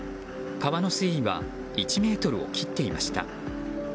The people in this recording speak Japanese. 川の水位は１ｍを切っていました。